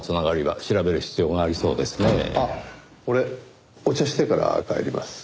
あっ俺お茶してから帰ります。